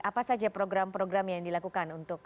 apa saja program program yang dilakukan untuk